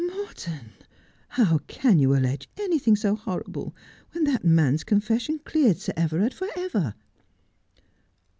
' Morton ! how can you allege anything so horrible when that man's confession cleared Sir Everard for ever?